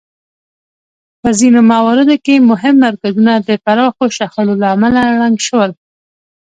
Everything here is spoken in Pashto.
په ځینو مواردو کې مهم مرکزونه د پراخو شخړو له امله ړنګ شول